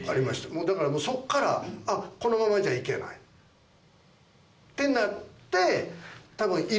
もうだからそこからあっこのままじゃいけないってなって。